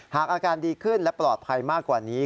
อาการดีขึ้นและปลอดภัยมากกว่านี้